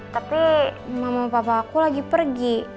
tapi mama papa aku lagi pergi